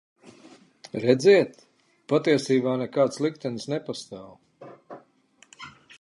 Redziet, patiesībā nekāds liktenis nepastāv.